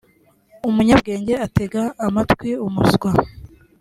umunyabwenge atega amatwi umuswa